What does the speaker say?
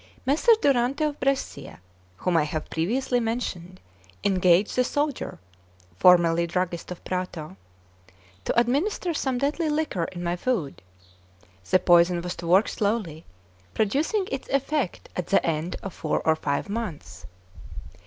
Messer Durante of Brescia, whom I have previously mentioned, engaged the soldier (formerly druggist of Prato) to administer some deadly liquor in my food; the poison was to work slowly, producing its effect at the end of four or five months.